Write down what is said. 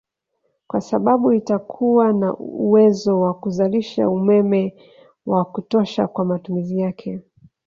Kwa sababu itakuwa na uwezo wa kuzalisha umeme wa kutosha kwa matumizi yake